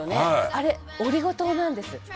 「あれオリゴ糖なんです」